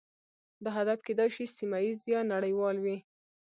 دا هدف کیدای شي سیمه ایز یا نړیوال وي